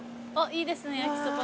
いいですね焼きそば。